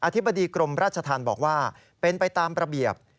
ธิบดีกรมราชธรรมบอกว่าเป็นไปตามระเบียบ